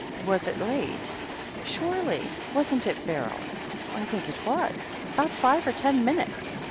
"Was it late?" "Surely. Wasn't it, Beryl?" "I think it was. About five or ten minutes."